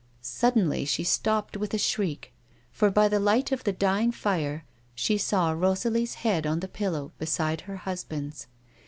Suddenly she stopped with a shriek, for by the light of the dying fire she saw Rosalie's head on the pillow beside her husband's.